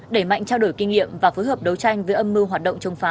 đẩy mạnh trao đổi kinh nghiệm và phối hợp đấu tranh với âm mưu hoạt động chống phá